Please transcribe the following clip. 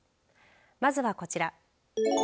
まずはこちら。